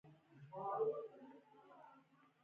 خورا مهم فرصت بولي